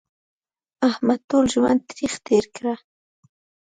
احمد ټول ژوند تریخ تېر کړ